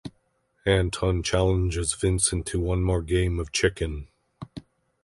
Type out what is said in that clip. Anton challenges Vincent to one more game of chicken.